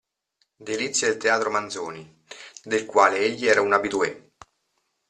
Delizia del teatro Manzoni, del quale egli era un habitué.